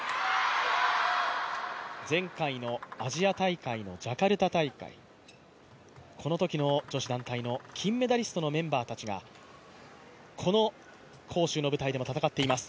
前回のアジア大会のジャカルタ大会、このときの女子団体の金メダリストのメンバーたちがこの杭州の舞台でも戦っています。